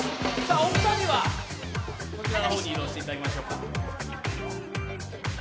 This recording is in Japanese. お二人はこちらの方に移動していただきましょうか。